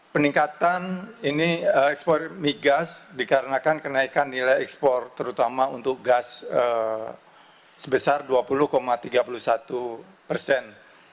peningkatan ini ekspor migas dikarenakan kenaikan nilai ekspor terutama untuk gas sebesar dua puluh tiga puluh satu persen